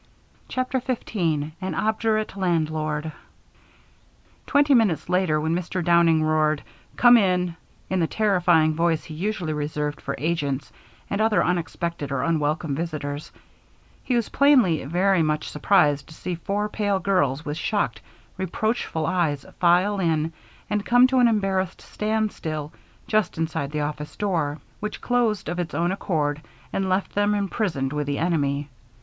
CHAPTER 15 An Obdurate Landlord Twenty minutes later when Mr. Downing roared "Come in" in the terrifying voice he usually reserved for agents and other unexpected or unwelcome visitors, he was plainly very much surprised to see four pale girls with shocked, reproachful eyes file in and come to an embarrassed standstill just inside the office door, which closed of its own accord and left them imprisoned with the enemy.